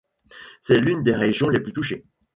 C'est l'une des régions les plus touchées.